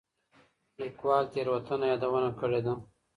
ليکوال تېروتنه يادونه کړې ده.